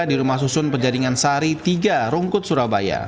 di rumah susun penjaringan sari tiga rungkut surabaya